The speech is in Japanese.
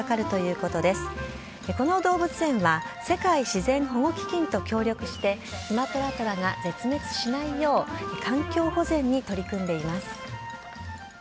この動物園は、世界自然保護基金と協力して、スマトラトラが絶滅しないよう、環境保全に取り組んでいます。